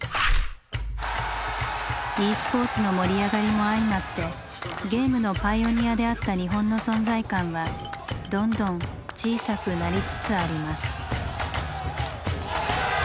ｅスポーツの盛り上がりも相まってゲームのパイオニアであった日本の存在感はどんどん小さくなりつつあります。